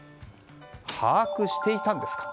把握していたんですか？